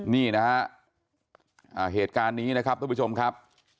นี่นะฮะเหตุการณ์นี้นะครับทุกผู้ชมครับ